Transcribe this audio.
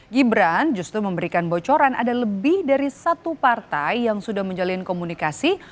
gibran justru memberikan bocoran ada lebih dari satu partai yang sudah menjalin komunikasi